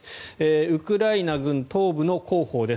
ウクライナ軍東部の広報です。